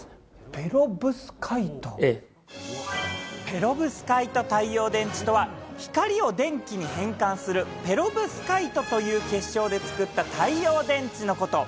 ペロブスカイト太陽電池とは、光を電池に変換する、ペロブスカイトという結晶で作った太陽電池のこと。